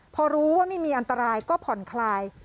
พอรู้ว่าไม่มีอันตรายก็ผ่อนคลาย